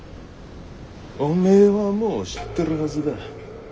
おめえはもう知ってるはずだ。